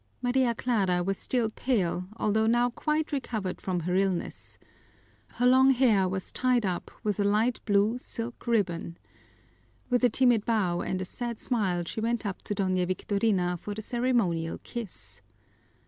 Maria Clara was still pale, although now quite recovered from her illness. Her long hair was tied up with a light blue silk ribbon. With a timid bow and a sad smile she went up to Doña Victorina for the ceremonial kiss.